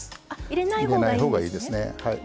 入れない方がいいですねはい。